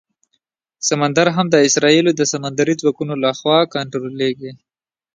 سمندر هم د اسرائیلو د سمندري ځواکونو لخوا کنټرولېږي.